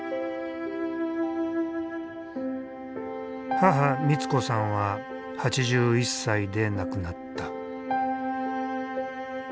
母光子さんは８１歳で亡くなった。